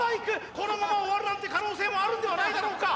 このまま終わるなんて可能性もあるんではないだろうか。